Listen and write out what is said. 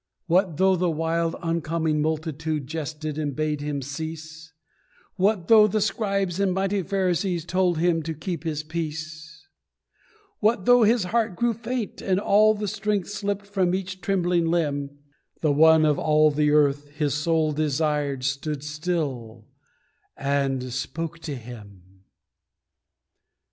What though the wild oncoming multitude Jested and bade him cease; What though the Scribes and mighty Pharisees Told him to keep his peace; What though his heart grew faint, and all the strength Slipped from each trembling limb The One of all the earth his soul desired Stood still and spoke to him.